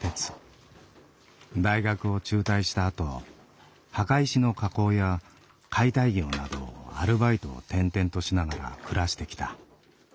大学を中退したあと墓石の加工や解体業などアルバイトを転々としながら暮らしてきた。